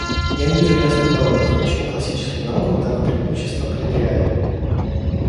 Я не вижу ясных доводов, почему классическим наукам дано преимущество пред реальными.